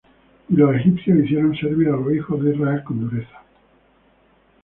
Y los Egipcios hicieron servir á los hijos de Israel con dureza: